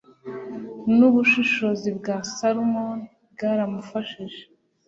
n ubushishozi bwa salomoni bwaramufashije